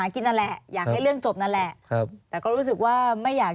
เขาก็ดีกว่าครับ